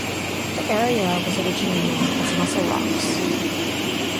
The area was originally known as Mussel Rocks.